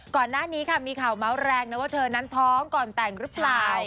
ก่อนหน้านี้ค่ะมีข่าวเมาส์แรงนะว่าเธอนั้นท้องก่อนแต่งหรือเปล่า